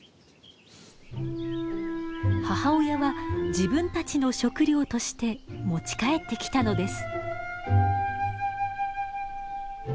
母親は自分たちの食料として持ち帰ってきたのです。